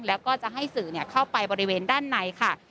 แล้วก็จะให้สื่อเข้าไปบริเวณด้านในค่ะ